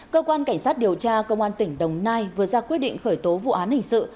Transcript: cơ quan cảnh sát điều tra công an tỉnh đồng nai vừa ra quyết định khởi tố vụ án hình sự